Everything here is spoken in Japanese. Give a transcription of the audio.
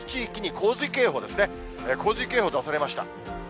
洪水警報が出されました。